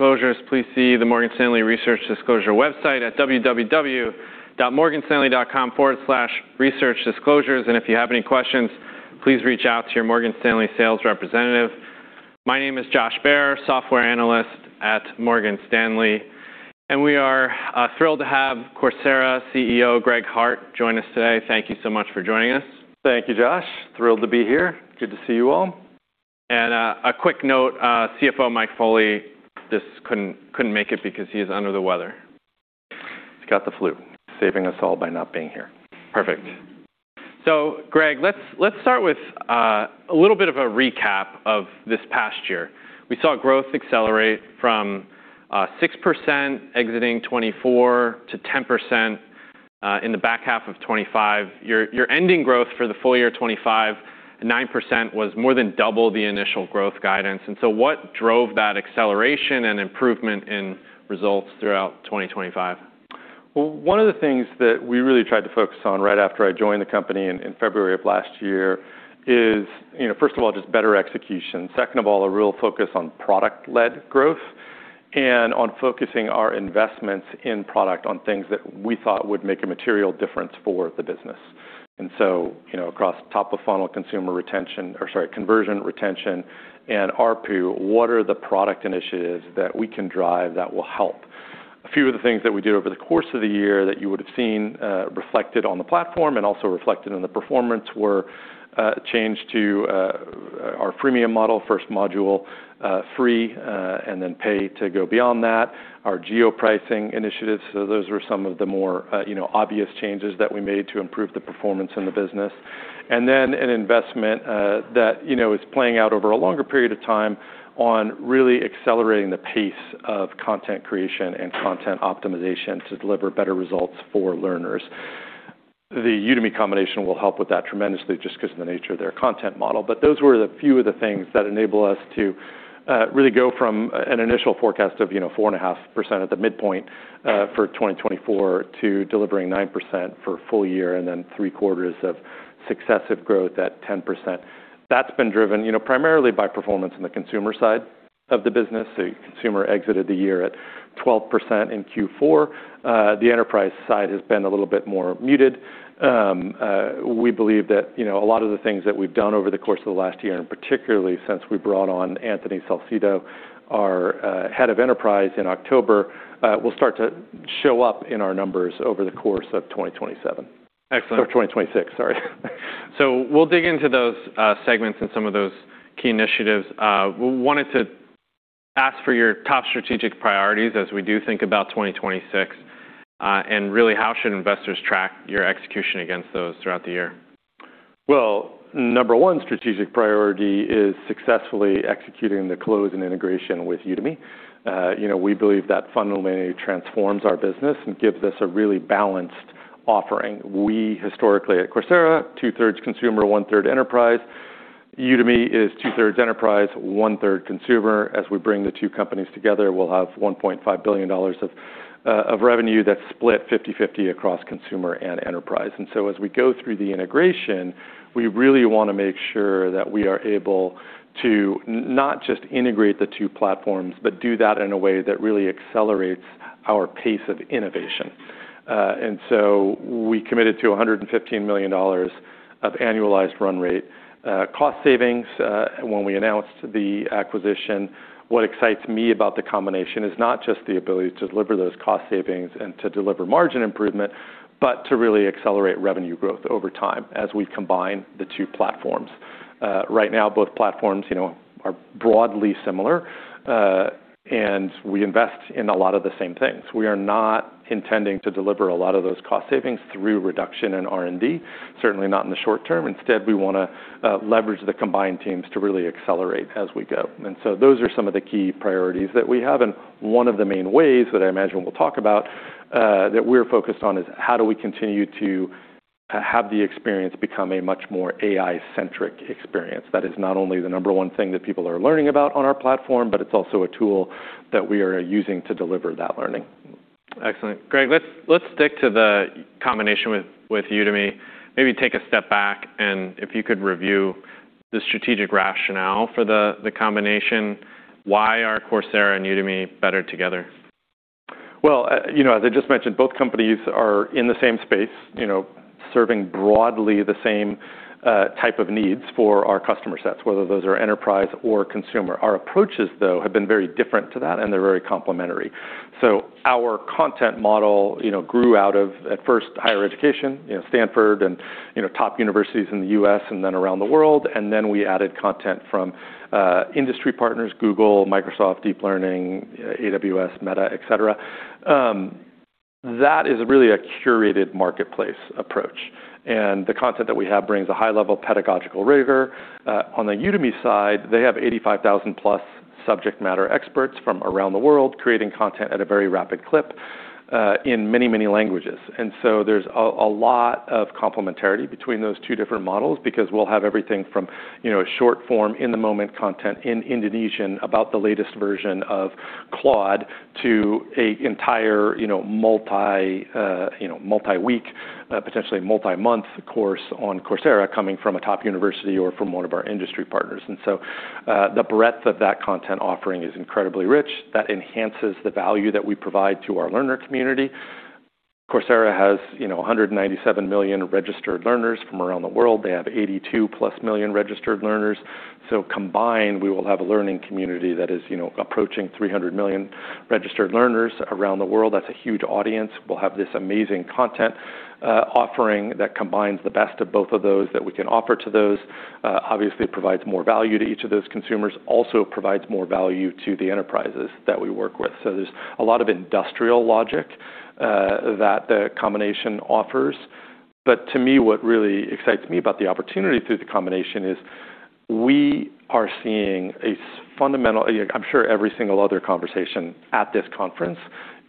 Disclosures, please see the Morgan Stanley Research Disclosure website at www.morganstanley.com/researchdisclosures. If you have any questions, please reach out to your Morgan Stanley sales representative. My name is Josh Baer, software analyst at Morgan Stanley, and we are thrilled to have Coursera CEO Greg Hart join us today. Thank you so much for joining us. Thank you, Josh. Thrilled to be here. Good to see you all. A quick note, CFO Mike Foley just couldn't make it because he is under the weather. He's got the flu. Saving us all by not being here. Perfect. Greg, let's start with a little bit of a recap of this past year. We saw growth accelerate from 6% exiting 2024 to 10% in the back half of 2025. Your ending growth for the full year 2025, 9%, was more than double the initial growth guidance. What drove thatacceleration and improvement in results throughout 2025? Well, one of the things that we really tried to focus on right after I joined the company in February of last year is, you know, first of all, just better execution. Second of all, a real focus on product-led growth and on focusing our investments in product on things that we thought would make a material difference for the business. Across top-of-funnel consumer conversion, retention, and ARPU, what are the product initiatives that we can drive that will help? A few of the things that we did over the course of the year that you would've seen reflected on the platform, and also reflected in the performance were a change to our freemium model. First module, free, and then pay to go beyond that. Our geo-pricing initiatives. Those were some of the more, you know, obvious changes that we made to improve the performance in the business. Then an investment, that, you know, is playing out over a longer period of time on really accelerating the pace of content creation and content optimization to deliver better results for learners. The Udemy combination will help with that tremendously just 'cause of the nature of their content model. Those were the few of the things that enable us to, really go from, an initial forecast of, you know, 4.5% at the midpoint, for 2024 to delivering 9% for full year, and then three quarters of successive growth at 10%. That's been driven, you know, primarily by performance in the consumer side of the business. Consumer exited the year at 12% in Q4. The enterprise side has been a little bit more muted. We believe that, you know, a lot of the things that we've done over the course of the last year, and particularly since we brought on Anthony Salcito, our Head of Enterprise in October, will start to show up in our numbers over the course of 2027. Excellent. 2026. Sorry. We'll dig into those segments and some of those key initiatives. We wanted to ask for your top strategic priorities as we do think about 2026, and really how should investors track your execution against those throughout the year? Well, number one strategic priority is successfully executing the close and integration with Udemy. You know, we believe that fundamentally transforms our business and gives us a really balanced offering. We historically at Coursera, 2/3 consumer, 1/3 enterprise. Udemy is 2/3 enterprise, 1/3 consumer. As we bring the two companies together, we'll have $1.5 billion of revenue that's split 50/50 across consumer and enterprise. As we go through the integration, we really wanna make sure that we are able to not just integrate the two platforms, but do that in a way that really accelerates our pace of innovation. We committed to $115 million of annualized run rate cost savings when we announced the acquisition. What excites me about the combination is not just the ability to deliver those cost savings and to deliver margin improvement, but to really accelerate revenue growth over time as we combine the two platforms. Right now, both platforms, you know, are broadly similar, and we invest in a lot of the same things. We are not intending to deliver a lot of those cost savings through reduction in R&D, certainly not in the short term. Instead, we wanna leverage the combined teams to really accelerate as we go. Those are some of the key priorities that we have. And one of the main ways that I imagine we'll talk about, that we're focused on is how do we continue to have the experience become a much more AI-centric experience. That is not only the number one thing that people are learning about on our platform, but it's also a tool that we are using to deliver that learning. Excellent. Greg, let's stick to the combination with Udemy. Maybe take a step back and if you could review the strategic rationale for the combination. Why are Coursera and Udemy better together? Well, you know, as I just mentioned, both companies are in the same space, you know, serving broadly the same type of needs for our customer sets, whether those are enterprise or consumer. Our approaches, though, have been very different to that, and they're very complementary. Our content model, you know, grew out of, at first, higher education, you know, Stanford and, you know, top universities in the U.S. and then around the world. Then we added content from industry partners, Google, Microsoft, DeepLearning, AWS, Meta, et cetera. That is really a curated marketplace approach, and the content that we have brings a high level of pedagogical rigor. On the Udemy side, they have 85,000+ subject matter experts from around the world creating content at a very rapid clip, in many, many languages. There's a lot of complementarity between those two different models because we'll have everything from, you know, short form in-the-moment content in Indonesian about the latest version of Claude to a entire, you know, multi multi-week, potentially multi-month course on Coursera coming from a top university or from one of our industry partners. The breadth of that content offering is incredibly rich. That enhances the value that we provide to our learner community. Coursera has, you know, $197 million registered learners from around the world. They have 82+ million registered learners. Combined, we will have a learning community that is, you know, approaching 300 million registered learners around the world. That's a huge audience. We'll have this amazing content offering that combines the best of both of those that we can offer to those. Obviously it provides more value to each of those consumers. It provides more value to the enterprises that we work with. There's a lot of industrial logic that the combination offers. To me, what really excites me about the opportunity through the combination is we are seeing a fundamental. You know, I'm sure every single other conversation at this conference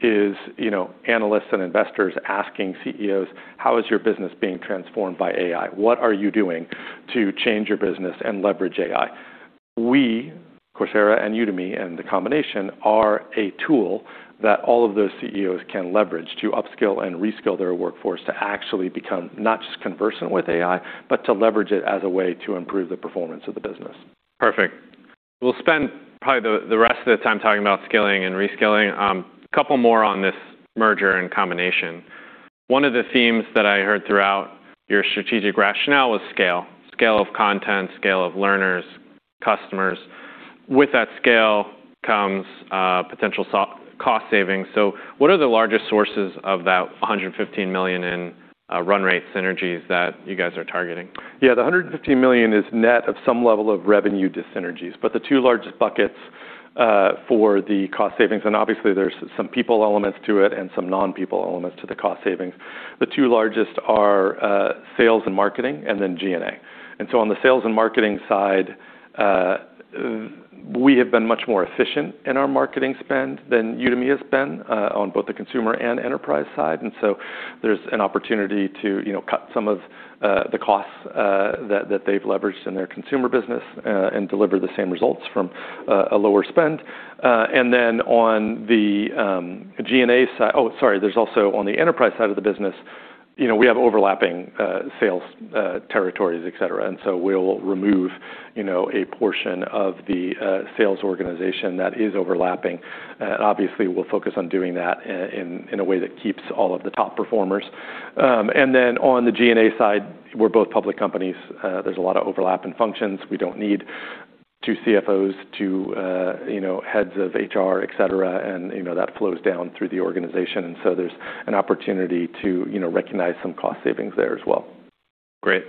is, you know, analysts and investors asking CEOs, "How is your business being transformed by AI? What are you doing to change your business and leverage AI?" We, Coursera and Udemy, and the combination are a tool that all of those CEOs can leverage to upskill and reskill their workforce to actually become not just conversant with AI, but to leverage it as a way to improve the performance of the business. Perfect. We'll spend probably the rest of the time talking about skilling and reskilling. Couple more on this merger and combination. One of the themes that I heard throughout your strategic rationale was scale of content, scale of learners, customers. With that scale comes potential cost savings. What are the largest sources of that $115 million in run rate synergies that you guys are targeting? Yeah. The $115 million is net of some level of revenue dyssynergies. The two largest buckets for the cost savings, and obviously there's some people elements to it and some non-people elements to the cost savings. The two largest are sales and marketing and then G&A. On the sales and marketing side, we have been much more efficient in our marketing spend than Udemy has been on both the consumer and enterprise side. There's an opportunity to, you know, cut some of the costs that they've leveraged in their consumer business and deliver the same results from a lower spend. On the G&A side. Oh, sorry, there's also on the enterprise side of the business, you know, we have overlapping sales territories, et cetera. We'll remove, you know, a portion of the sales organization that is overlapping. Obviously we'll focus on doing that in a way that keeps all of the top performers. On the G&A side, we're both public companies. There's a lot of overlap in functions. We don't need two CFOs, two, you know, heads of HR, et cetera, and, you know, that flows down through the organization. There's an opportunity to, you know, recognize some cost savings there as well. Great.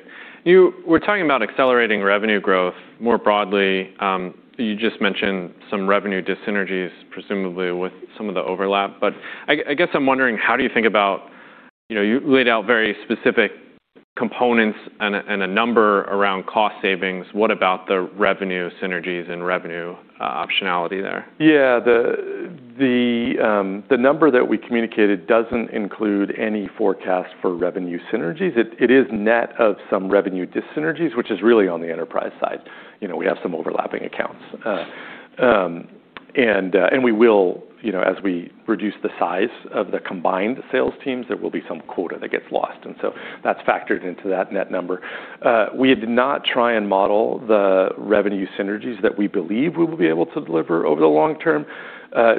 You were talking about accelerating revenue growth more broadly. You just mentioned some revenue dyssynergies, presumably with some of the overlap. I guess I'm wondering, how do you think about, you know, you laid out very specific components and a, and a number around cost savings. What about the revenue synergies and revenue optionality there? Yeah. The number that we communicated doesn't include any forecast for revenue synergies. It is net of some revenue dyssynergies, which is really on the enterprise side. You know, we have some overlapping accounts. You know, as we reduce the size of the combined sales teams, there will be some quota that gets lost, and so that's factored into that net number. We did not try and model the revenue synergies that we believe we will be able to deliver over the long term,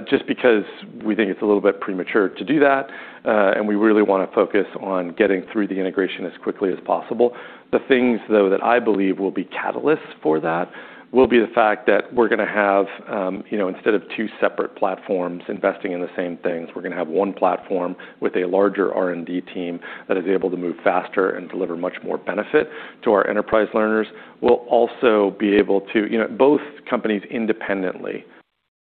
just because we think it's a little bit premature to do that, and we really wanna focus on getting through the integration as quickly as possible. The things though that I believe will be catalysts for that will be the fact that we're gonna have, you know, instead of two separate platforms investing in the same things, we're gonna have one platform with a larger R&D team that is able to move faster and deliver much more benefit to our enterprise learners. We'll also be able to. You know, both companies independently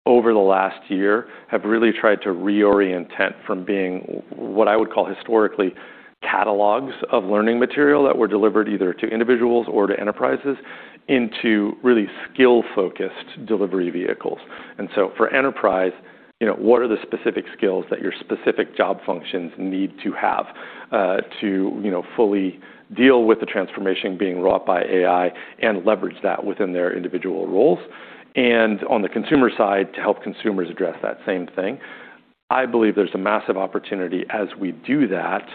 over the last year have really tried to reorient tent from being what I would call historically catalogs of learning material that were delivered either to individuals or to enterprises into really skill-focused delivery vehicles. For enterprise, you know, what are the specific skills that your specific job functions need to have, to, you know, fully deal with the transformation being wrought by AI and leverage that within their individual roles? On the consumer side, to help consumers address that same thing. I believe there's a massive opportunity as we do that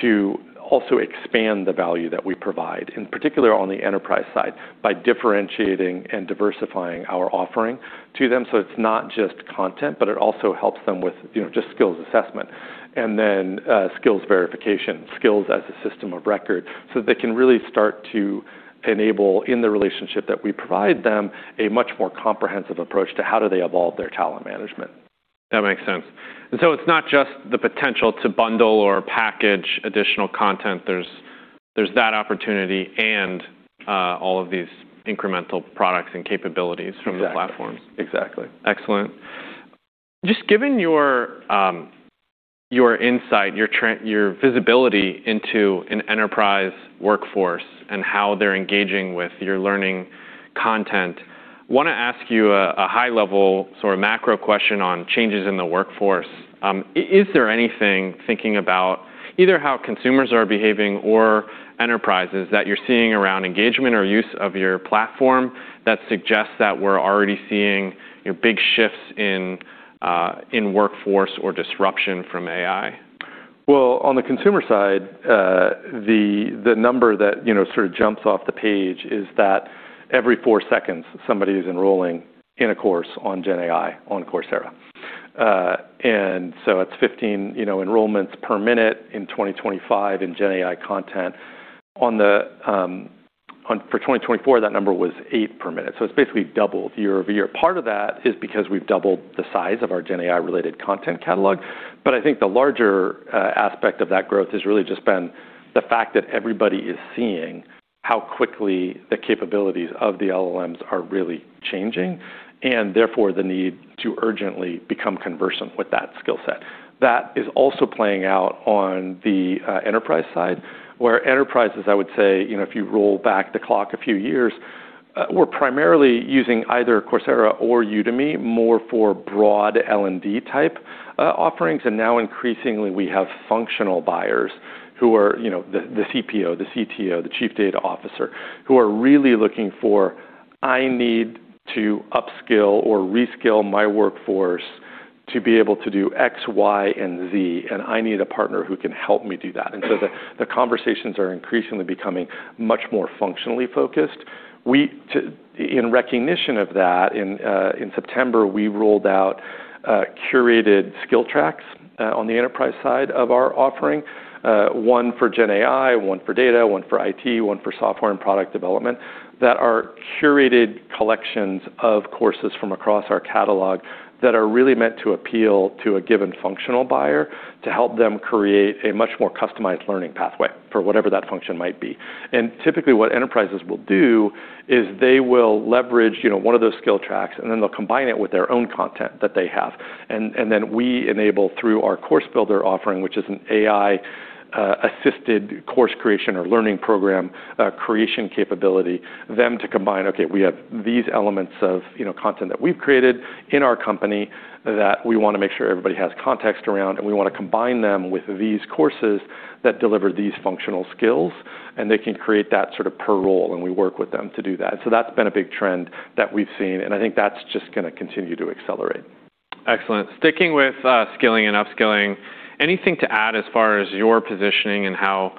to also expand the value that we provide, in particular on the enterprise side, by differentiating and diversifying our offering to them so it's not just content, but it also helps them with, you know, just skills assessment and then, skills verification, skills as a system of record, so they can really start to enable in the relationship that we provide them a much more comprehensive approach to how do they evolve their talent management. That makes sense. It's not just the potential to bundle or package additional content. There's that opportunity and all of these incremental products and capabilities. Exactly. from the platforms. Exactly. Excellent. Just given your insight, your trend, your visibility into an enterprise workforce and how they're engaging with your learning content, wanna ask you a high level sort of macro question on changes in the workforce. Is there anything, thinking about either how consumers are behaving or enterprises, that you're seeing around engagement or use of your platform that suggests that we're already seeing, you know, big shifts in workforce or disruption from AI? On the consumer side, the number that, you know, sort of jumps off the page is that every four seconds, somebody is enrolling in a course on GenAI on Coursera. It's 15, you know, enrollments per minute in 2025 in GenAI content. For 2024, that number was eight per minute, so it's basically doubled year-over-year. Part of that is because we've doubled the size of our GenAI-related content catalog. I think the larger aspect of that growth has really just been the fact that everybody is seeing how quickly the capabilities of the LLMs are really changing, and therefore, the need to urgently become conversant with that skill set. That is also playing out on the enterprise side, where enterprises, I would say, you know, if you roll back the clock a few years, were primarily using either Coursera or Udemy more for broad L&D type offerings. Now increasingly we have functional buyers who are, you know, the CPO, the CTO, the chief data officer, who are really looking for, "I need to upskill or reskill my workforce to be able to do X, Y, and Z, and I need a partner who can help me do that." The conversations are increasingly becoming much more functionally focused. In recognition of that, in September, we rolled out curated Skill Tracks on the enterprise side of our offering. One for GenAI, one for data, one for IT, one for software and product development, that are curated collections of courses from across our catalog that are really meant to appeal to a given functional buyer to help them create a much more customized learning pathway for whatever that function might be. Typically, what enterprises will do is they will leverage, you know, one of those Skill Tracks, and then they'll combine it with their own content that they have. Then we enable through our Course Builder offering, which is an AI assisted course creation or learning program creation capability, them to combine, okay, we have these elements of, you know, content that we've created in our company that we wanna make sure everybody has context around, and we wanna combine them with these courses that deliver these functional skills, and they can create that sort of per role, and we work with them to do that. That's been a big trend that we've seen, and I think that's just gonna continue to accelerate. Excellent. Sticking with skilling and upskilling, anything to add as far as your positioning and how,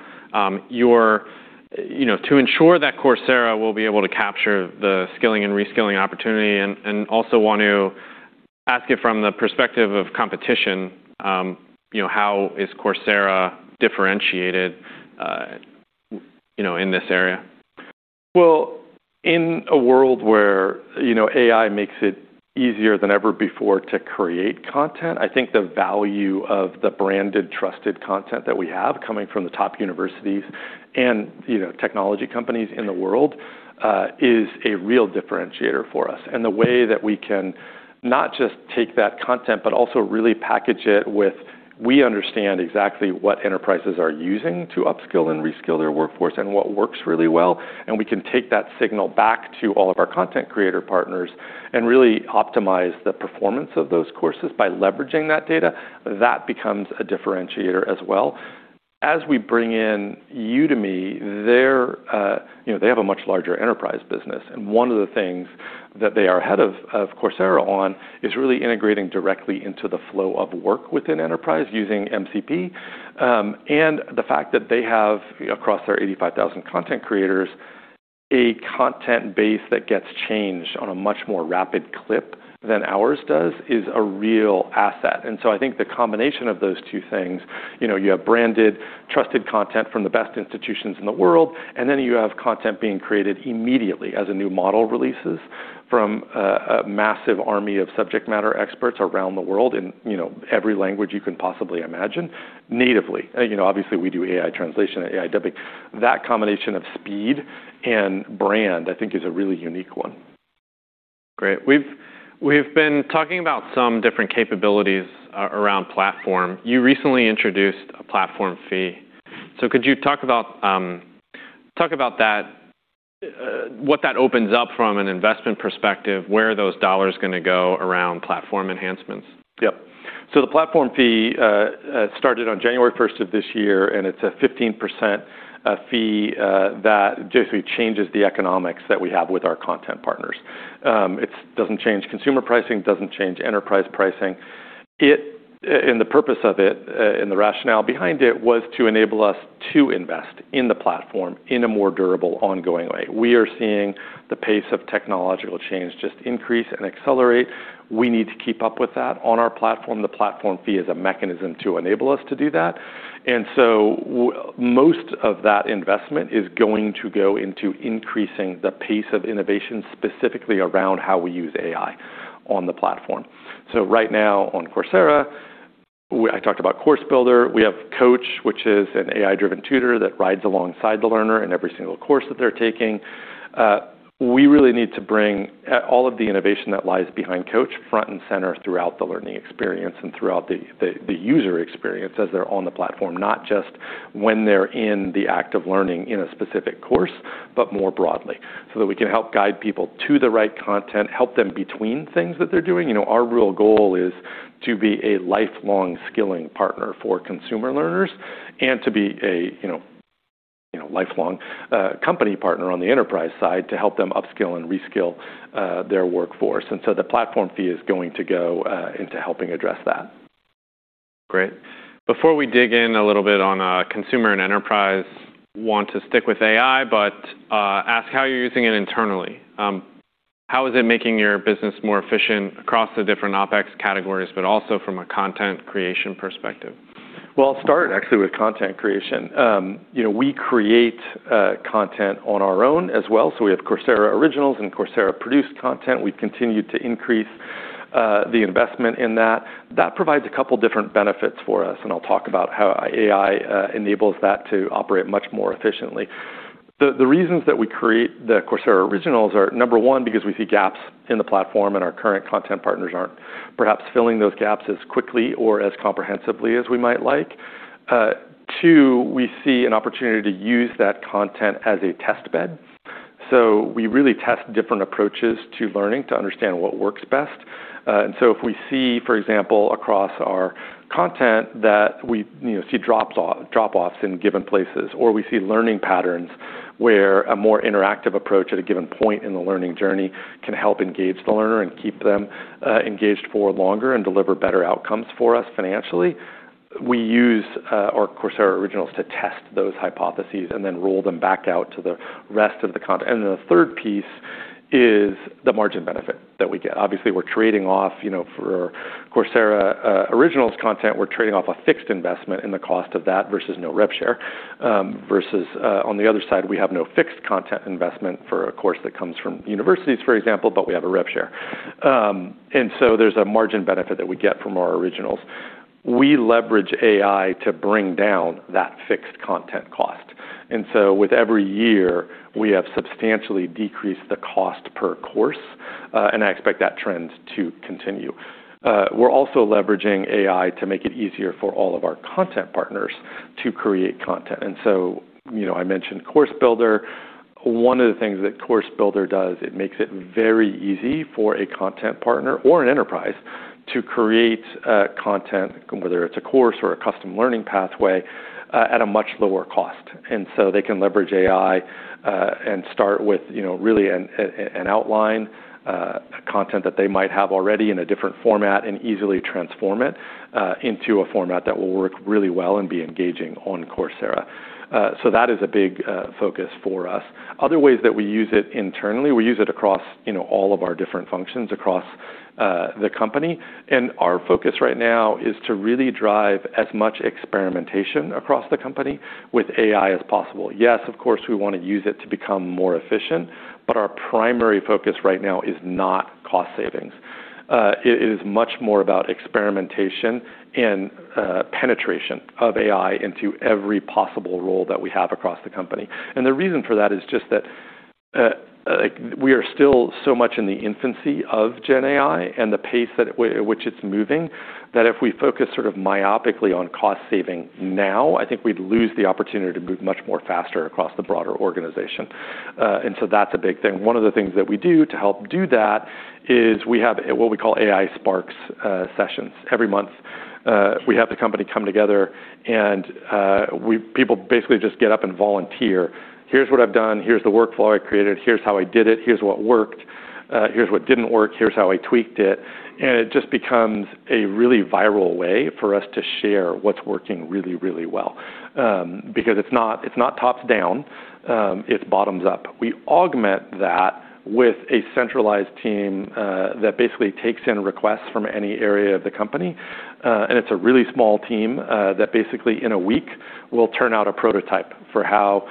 You know, to ensure that Coursera will be able to capture the skilling and reskilling opportunity, and also want to ask you from the perspective of competition, you know, how is Coursera differentiated, you know, in this area? Well, in a world where, you know, AI makes it easier than ever before to create content, I think the value of the branded, trusted content that we have coming from the top universities and, you know, technology companies in the world, is a real differentiator for us. The way that we can not just take that content, but also really package it with we understand exactly what enterprises are using to upskill and reskill their workforce and what works really well, and we can take that signal back to all of our content creator partners and really optimize the performance of those courses by leveraging that data, that becomes a differentiator as well. As we bring in Udemy, their, you know, they have a much larger enterprise business, and one of the things that they are ahead of Coursera on is really integrating directly into the flow of work within enterprise using MCP. The fact that they have, across their 85,000 content creators, a content base that gets changed on a much more rapid clip than ours does is a real asset. I think the combination of those two things, you know, you have branded, trusted content from the best institutions in the world, and then you have content being created immediately as a new model releases from a massive army of subject matter experts around the world in, you know, every language you can possibly imagine natively. You know, obviously, we do AI translation and AI dubbing. That combination of speed and brand, I think is a really unique one. Great. We've been talking about some different capabilities around platform. You recently introduced a platform fee. Could you talk about that, what that opens up from an investment perspective, where are those dollars gonna go around platform enhancements? Yep. The platform fee started on January 1st of this year, and it's a 15% fee that basically changes the economics that we have with our content partners. It's doesn't change consumer pricing, doesn't change enterprise pricing. The purpose of it and the rationale behind it was to enable us to invest in the platform in a more durable, ongoing way. We are seeing the pace of technological change just increase and accelerate. We need to keep up with that on our platform. The platform fee is a mechanism to enable us to do that. Most of that investment is going to go into increasing the pace of innovation, specifically around how we use AI on the platform. Right now on Coursera, I talked about Course Builder. We have Coach, which is an AI-driven tutor that rides alongside the learner in every single course that they're taking. We really need to bring all of the innovation that lies behind Coach front and center throughout the learning experience and throughout the user experience as they're on the platform, not just when they're in the act of learning in a specific course, but more broadly, so that we can help guide people to the right content, help them between things that they're doing. You know, our real goal is to be a lifelong skilling partner for consumer learners and to be a, you know, lifelong company partner on the enterprise side to help them upskill and reskill their workforce. The platform fee is going to go into helping address that. Great. Before we dig in a little bit on consumer and enterprise, want to stick with AI, but ask how you're using it internally. How is it making your business more efficient across the different OpEx categories, but also from a content creation perspective? Well, I'll start actually with content creation. You know, we create content on our own as well. We have Coursera Originals and Coursera-produced content. We've continued to increase the investment in that. That provides a couple different benefits for us, and I'll talk about how AI enables that to operate much more efficiently. The reasons that we create the Coursera Originals are, number one, because we see gaps in the platform and our current content partners aren't perhaps filling those gaps as quickly or as comprehensively as we might like. Two, we see an opportunity to use that content as a test bed. We really test different approaches to learning to understand what works best. If we see, for example, across our content that we, you know, see drop-offs in given places, or we see learning patterns where a more interactive approach at a given point in the learning journey can help engage the learner and keep them engaged for longer and deliver better outcomes for us financially, we use our Coursera Originals to test those hypotheses and then roll them back out to the rest of the content. The third piece is the margin benefit that we get. Obviously, we're trading off, you know, for Coursera Originals content, we're trading off a fixed investment in the cost of that versus no rev share, versus on the other side, we have no fixed content investment for a course that comes from universities, for example, but we have a rev share. There's a margin benefit that we get from our Originals. We leverage AI to bring down that fixed content cost. With every year, we have substantially decreased the cost per course, and I expect that trend to continue. We're also leveraging AI to make it easier for all of our content partners to create content. You know, I mentioned Course Builder. One of the things that Course Builder does, it makes it very easy for a content partner or an enterprise to create content, whether it's a course or a custom learning pathway, at a much lower cost. They can leverage AI and start with, you know, really an outline, content that they might have already in a different format and easily transform it into a format that will work really well and be engaging on Coursera. That is a big focus for us. Other ways that we use it internally, we use it across, you know, all of our different functions across the company. Our focus right now is to really drive as much experimentation across the company with AI as possible. Yes, of course, we wanna use it to become more efficient, but our primary focus right now is not cost savings. It is much more about experimentation and penetration of AI into every possible role that we have across the company. The reason for that is just that we are still so much in the infancy of GenAI and the pace which it's moving, that if we focus sort of myopically on cost saving now, I think we'd lose the opportunity to move much more faster across the broader organization. That's a big thing. One of the things that we do to help do that is we have what we call AI Sparks sessions. Every month, we have the company come together and people basically just get up and volunteer. "Here's what I've done. Here's the workflow I created. Here's how I did it. Here's what worked. Here's what didn't work. Here's how I tweaked it. It just becomes a really viral way for us to share what's working really, really well, because it's not, it's not tops down, it's bottoms up. We augment that with a centralized team that basically takes in requests from any area of the company. It's a really small team that basically, in a week, will turn out a prototype for how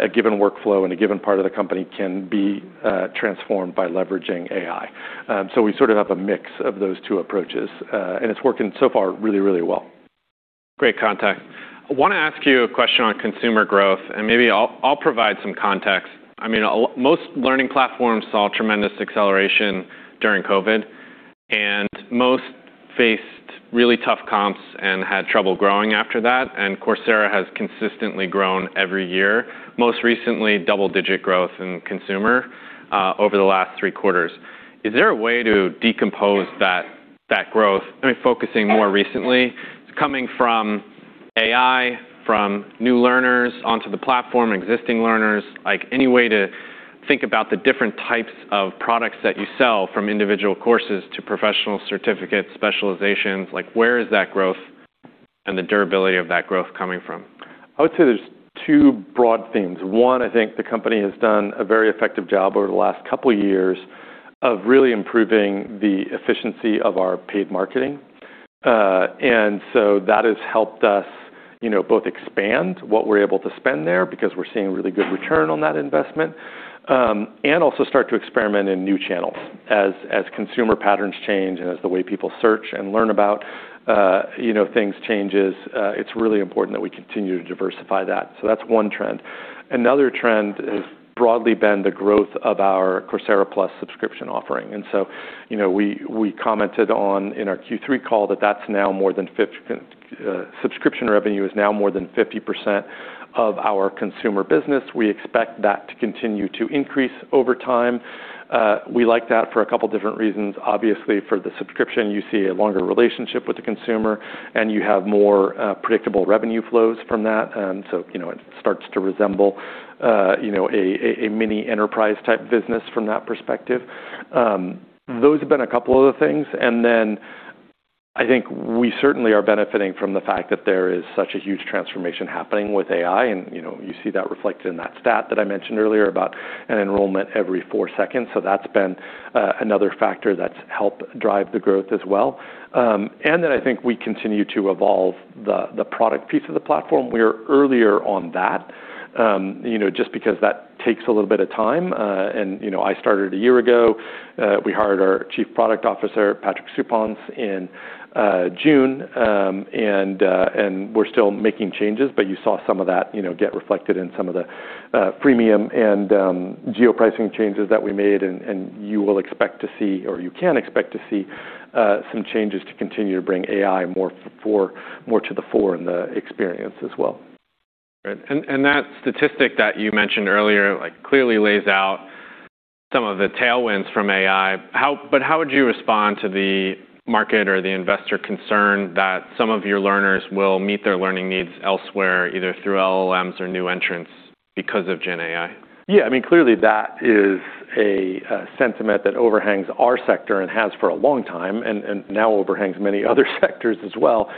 a given workflow in a given part of the company can be transformed by leveraging AI. We sort of have a mix of those two approaches, it's working so far really, really well. Great context. I wanna ask you a question on consumer growth, and maybe I'll provide some context. I mean, most learning platforms saw tremendous acceleration during COVID, most faced really tough comps and had trouble growing after that. Coursera has consistently grown every year, most recently double-digit growth in consumer over the last three quarters. Is there a way to decompose that growth? I mean, focusing more recently, coming from AI, from new learners onto the platform, existing learners, like any way to think about the different types of products that you sell from individual courses to professional certificates, specializations, like where is that growth and the durability of that growth coming from? I would say there's two broad themes. One, I think the company has done a very effective job over the last couple years of really improving the efficiency of our paid marketing. That has helped us, you know, both expand what we're able to spend there because we're seeing really good return on that investment, and also start to experiment in new channels. As consumer patterns change and as the way people search and learn about, you know, things changes, it's really important that we continue to diversify that. That's one trend. Another trend has broadly been the growth of our Coursera Plus subscription offering. You know, we commented on in our Q3 call that that's now more than subscription revenue is now more than 50% of our consumer business. We expect that to continue to increase over time. We like that for a couple different reasons. Obviously, for the subscription, you see a longer relationship with the consumer, and you have more predictable revenue flows from that. You know, it starts to resemble, you know, a mini enterprise type business from that perspective. Those have been a couple of the things. I think we certainly are benefiting from the fact that there is such a huge transformation happening with AI, and, you know, you see that reflected in that stat that I mentioned earlier about an enrollment every four seconds. That's been another factor that's helped drive the growth as well. I think we continue to evolve the product piece of the platform. We're earlier on that, you know, just because that takes a little bit of time. You know, I started a year ago. We hired our Chief Product Officer, Patrick Supanc, in June. We're still making changes, but you saw some of that, you know, get reflected in some of the freemium and geo-pricing changes that we made. You will expect to see, or you can expect to see, some changes to continue to bring AI more to the fore in the experience as well. Right. That statistic that you mentioned earlier, like, clearly lays out some of the tailwinds from AI. But how would you respond to the market or the investor concern that some of your learners will meet their learning needs elsewhere, either through LLMs or new entrants because of GenAI? Yeah, I mean, clearly that is a sentiment that overhangs our sector and has for a long time and now overhangs many other sectors as well.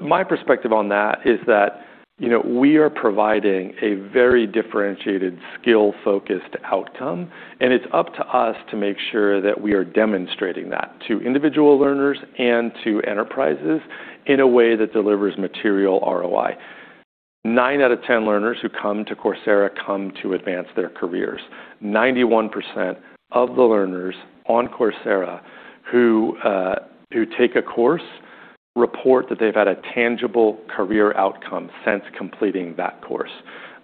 My perspective on that is that, you know, we are providing a very differentiated skill-focused outcome, and it's up to us to make sure that we are demonstrating that to individual learners and to enterprises in a way that delivers material ROI. Nine out of 10 learners who come to Coursera come to advance their careers. 91% of the learners on Coursera who take a course report that they've had a tangible career outcome since completing that course.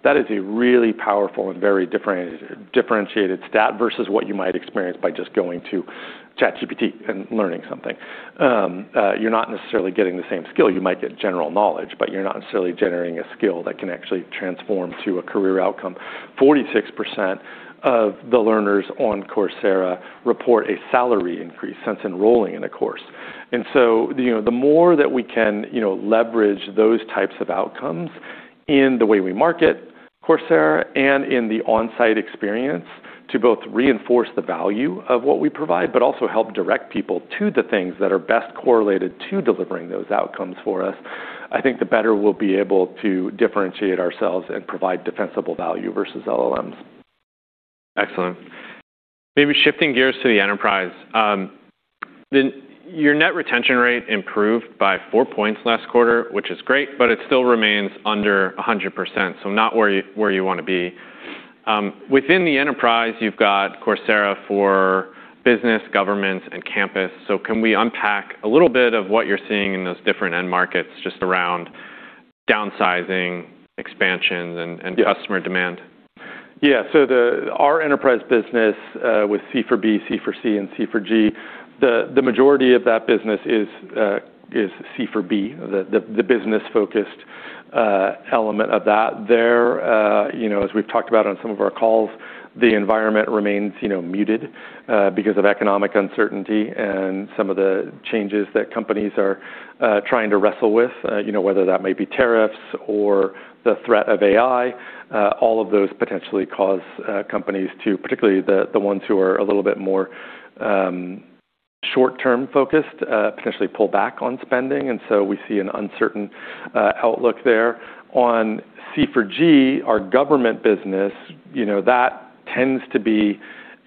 That is a really powerful and very differentiated stat versus what you might experience by just going to ChatGPT and learning something. You're not necessarily getting the same skill. You might get general knowledge, but you're not necessarily generating a skill that can actually transform to a career outcome. 46% of the learners on Coursera report a salary increase since enrolling in a course. You know, the more that we can, you know, leverage those types of outcomes in the way we market Coursera and in the onsite experience to both reinforce the value of what we provide but also help direct people to the things that are best correlated to delivering those outcomes for us, I think the better we'll be able to differentiate ourselves and provide defensible value versus LLMs. Excellent. Maybe shifting gears to the enterprise. Your net retention rate improved by four points last quarter, which is great, but it still remains under 100%, not where you wanna be. Within the enterprise, you've got Coursera for Business, Government, and Campus. Can we unpack a little bit of what you're seeing in those different end markets, just around downsizing, expansions, and customer demand? Yeah. Our enterprise business, with C for B, C for C, and C for G, the majority of that business is C for B, the business-focused element of that. There, you know, as we've talked about on some of our calls, the environment remains, you know, muted, because of economic uncertainty and some of the changes that companies are trying to wrestle with. You know, whether that may be tariffs or the threat of AI, all of those potentially cause companies to, particularly the ones who are a little bit more short-term focused, potentially pull back on spending. We see an uncertain outlook there. On C for G, our government business, you know, that tends to be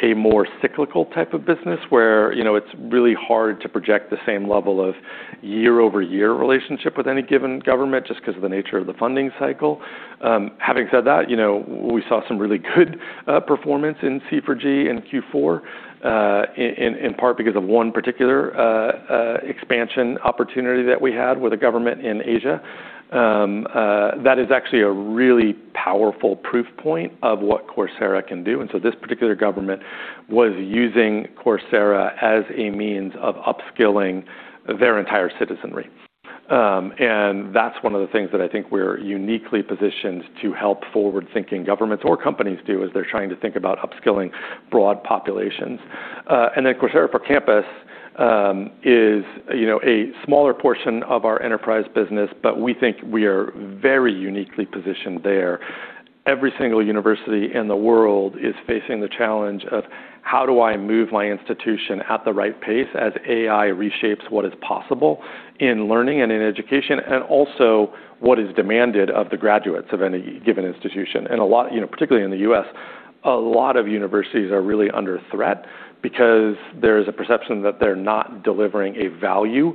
a more cyclical type of business, where, you know, it's really hard to project the same level of year-over-year relationship with any given government just 'cause of the nature of the funding cycle. Having said that, you know, we saw some really good performance in C for G in Q4, in part because of one particular expansion opportunity that we had with a government in Asia. That is actually a really powerful proof point of what Coursera can do. This particular government was using Coursera as a means of upskilling their entire citizenry. That's one of the things that I think we're uniquely positioned to help forward-thinking governments or companies do as they're trying to think about upskilling broad populations. Coursera for Campus is, you know, a smaller portion of our enterprise business, but we think we are very uniquely positioned there. Every single university in the world is facing the challenge of how do I move my institution at the right pace as AI reshapes what is possible in learning and in education, and also what is demanded of the graduates of any given institution. A lot, you know, particularly in the US, a lot of universities are really under threat because there's a perception that they're not delivering a value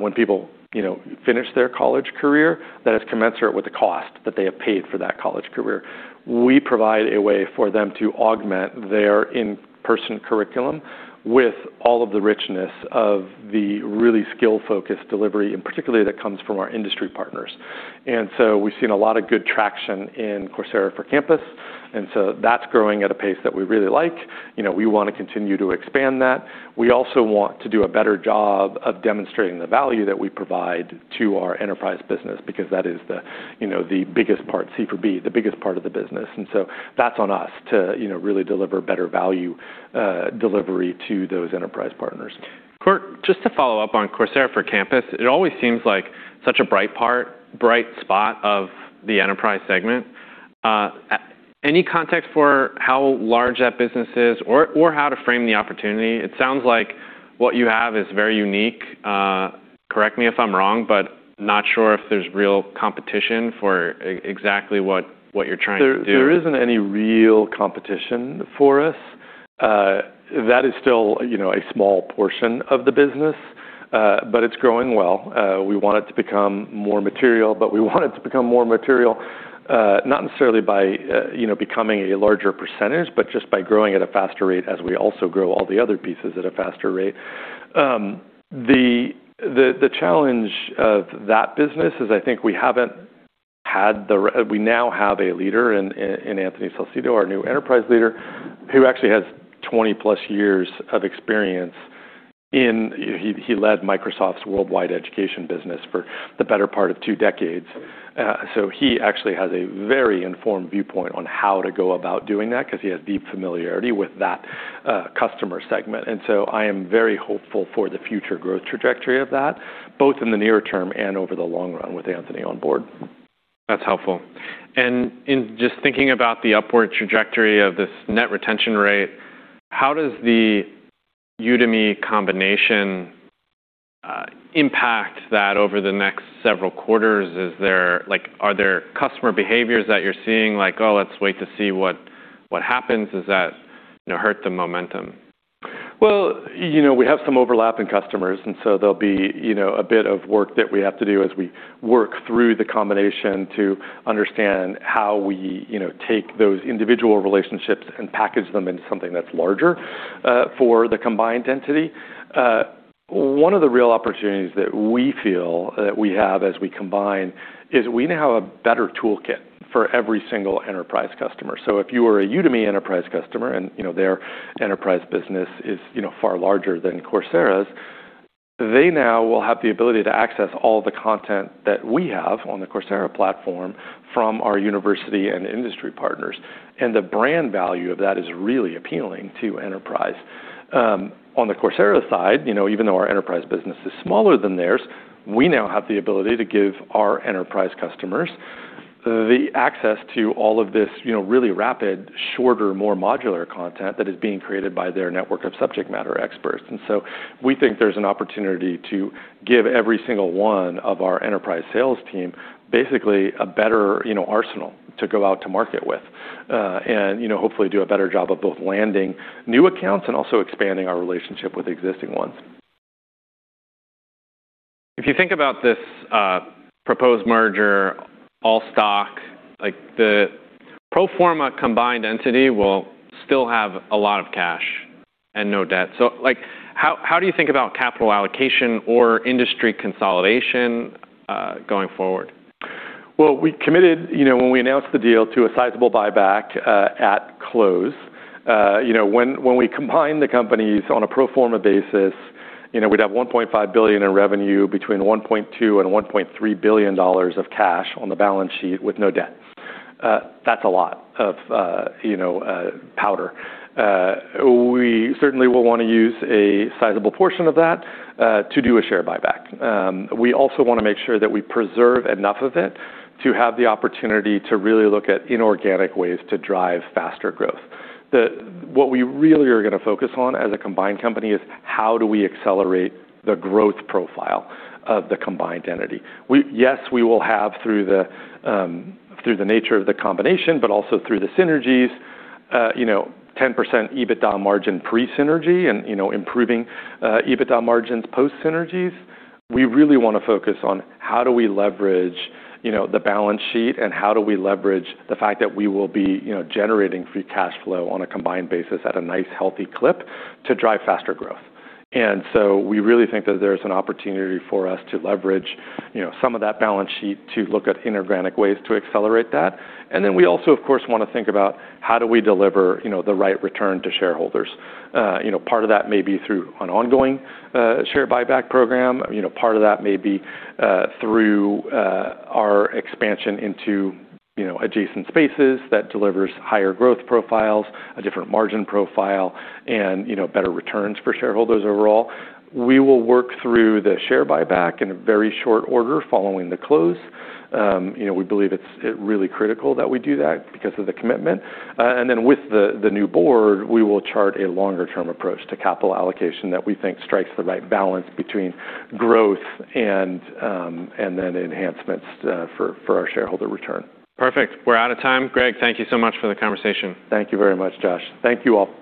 when people, you know, finish their college career that is commensurate with the cost that they have paid for that college career. We provide a way for them to augment their in-person curriculum with all of the richness of the really skill-focused delivery, and particularly that comes from our industry partners. We've seen a lot of good traction in Coursera for Campus, and so that's growing at a pace that we really like. You know, we wanna continue to expand that. We also want to do a better job of demonstrating the value that we provide to our enterprise business because that is the, you know, the biggest part, C for B, the biggest part of the business. That's on us to, you know, really deliver better value delivery to those enterprise partners. Greg, just to follow up on Coursera for Campus, it always seems like such a bright spot of the enterprise segment. Any context for how large that business is or how to frame the opportunity? It sounds like what you have is very unique. Correct me if I'm wrong, but not sure if there's real competition for exactly what you're trying to do. There isn't any real competition for us. That is still, you know, a small portion of the business, but it's growing well. We want it to become more material, but we want it to become more material, not necessarily by, you know, becoming a larger percentage, but just by growing at a faster rate as we also grow all the other pieces at a faster rate. The challenge of that business is I think we haven't had we now have a leader in Anthony Salcito, our new enterprise leader, who actually has 20+ years of experience in. He led Microsoft's worldwide education business for the better part of two decades. He actually has a very informed viewpoint on how to go about doing that because he has deep familiarity with that customer segment. I am very hopeful for the future growth trajectory of that, both in the near term and over the long run with Anthony on board. That's helpful. In just thinking about the upward trajectory of this net retention rate, how does the Udemy combination impact that over the next several quarters? Like, are there customer behaviors that you're seeing like, "Oh, let's wait to see what happens?" Does that, you know, hurt the momentum? Well, you know, we have some overlapping customers. There'll be, you know, a bit of work that we have to do as we work through the combination to understand how we, you know, take those individual relationships and package them into something that's larger for the combined entity. One of the real opportunities that we feel that we have as we combine is we now have a better toolkit for every single enterprise customer. If you are a Udemy enterprise customer and, you know, their enterprise business is, you know, far larger than Coursera's, they now will have the ability to access all the content that we have on the Coursera platform from our university and industry partners, and the brand value of that is really appealing to enterprise. On the Coursera side, you know, even though our enterprise business is smaller than theirs, we now have the ability to give our enterprise customers the access to all of this, you know, really rapid, shorter, more modular content that is being created by their network of subject matter experts. We think there's an opportunity to give every single one of our enterprise sales team basically a better, you know, arsenal to go out to market with. Hopefully do a better job of both landing new accounts and also expanding our relationship with existing ones. If you think about this, proposed merger, all stock, like, the pro forma combined entity will still have a lot of cash and no debt. Like, how do you think about capital allocation or industry consolidation, going forward? Well, we committed, you know, when we announced the deal, to a sizable buyback at close. You know, when we combine the companies on a pro forma basis, you know, we'd have $1.5 billion in revenue between $1.2 billion and $1.3 billion of cash on the balance sheet with no debt. That's a lot of, you know, powder. We certainly will wanna use a sizable portion of that to do a share buyback. We also wanna make sure that we preserve enough of it to have the opportunity to really look at inorganic ways to drive faster growth. What we really are gonna focus on as a combined company is how do we accelerate the growth profile of the combined entity? Yes, we will have through the nature of the combination, but also through the synergies, you know, 10% EBITDA margin pre-synergy and, you know, improving EBITDA margins post synergies. We really wanna focus on how do we leverage, you know, the balance sheet and how do we leverage the fact that we will be, you know, generating free cash flow on a combined basis at a nice, healthy clip to drive faster growth. We really think that there's an opportunity for us to leverage, you know, some of that balance sheet to look at inorganic ways to accelerate that. We also, of course, wanna think about how do we deliver, you know, the right return to shareholders. You know, part of that may be through an ongoing, share buyback program. You know, part of that may be through our expansion into, you know, adjacent spaces that delivers higher growth profiles, a different margin profile, and, you know, better returns for shareholders overall. We will work through the share buyback in a very short order following the close. You know, we believe it's really critical that we do that because of the commitment. Then with the new board, we will chart a longer term approach to capital allocation that we think strikes the right balance between growth and enhancements for our shareholder return. Perfect. We're out of time. Greg, thank you so much for the conversation. Thank you very much, Josh. Thank you all.